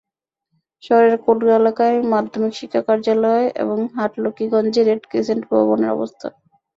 শহরের কোটগাঁও এলাকায় মাধ্যমিক শিক্ষা কার্যালয় এবং হাটলক্ষ্মীগঞ্জে রেড ক্রিসেন্ট ভবনের অবস্থান।